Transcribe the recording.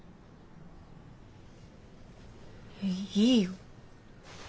いいよ。